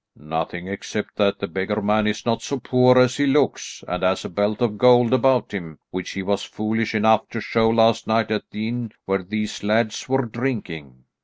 "Nothing, except that the beggar man is not so poor as he looks, and has a belt of gold about him, which he was foolish enough to show last night at the inn where these lads were drinking."